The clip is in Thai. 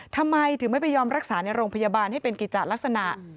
ทำไมถึงไม่ไปยอมรักษาในโรงพยาบาลให้เป็นกิจลักษณะ